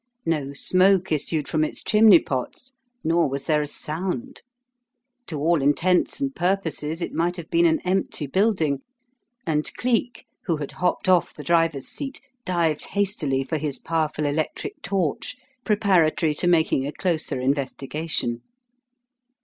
No smoke issued from its chimney pots, nor was there a sound. To all intents and purposes, it might have been an empty building, and Cleek, who had hopped off the driver's seat, dived hastily for his powerful electric torch, preparatory to making a closer investigation.